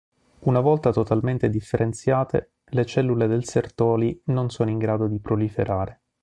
Una volta totalmente differenziate, le cellule del Sertoli non sono in grado di proliferare.